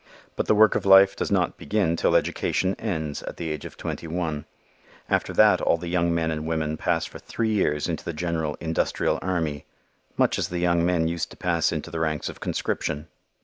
But the work of life does not begin till education ends at the age of twenty one. After that all the young men and women pass for three years into the general "Industrial Army," much as the young men used to pass into the ranks of conscription.